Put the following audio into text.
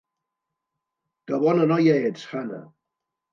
Que bona noia ets, Hana!